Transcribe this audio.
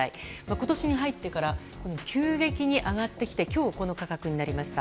今年に入ってから急激に上がってきて今日、この価格になりました。